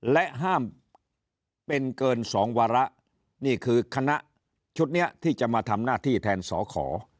และห้ามเป็นเกิน๒วาระนี่คือคณะชุดนี้ที่จะมาทำหน้าที่แทนสอขอ